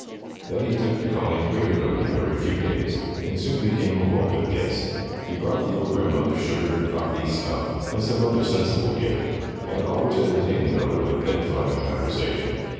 Then he took to calling regularly every few days, and soom became a welcome guest. He brought the old grandmother sugar^ coffee, snuff, or some other sensible gift, and always entertained the miller with edifying conversation.